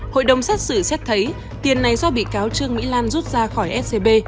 hội đồng xét xử xét thấy tiền này do bị cáo trương mỹ lan rút ra khỏi scb